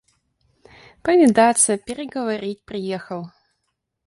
Повидаться, переговорить приехал.